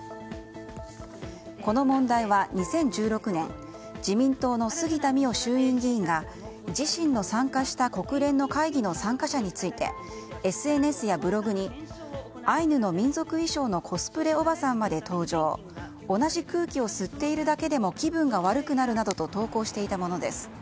この問題は２０１６年自民党の杉田水脈衆院議員が自身の参加した国連の会議の参加者についてＳＮＳやブログにアイヌの民族衣装のコスプレおばさんまで登場同じ空気を吸っているだけでも気分が悪くなるなどと投稿していたものです。